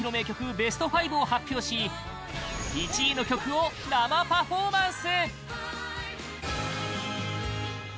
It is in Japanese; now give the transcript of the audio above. ベスト５を発表し１位の曲を生パフォーマンス！